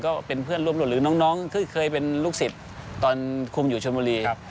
ก็เป็นเพื่อนร่วมรุ่นหรือน้องที่เคยเป็นลูกศิษย์ตอนคุมอยู่ชนบุรี